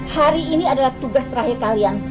hari ini adalah tugas terakhir kalian